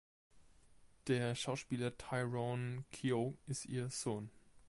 Der Schauspieler Tyrone Keogh ist ihr Sohn.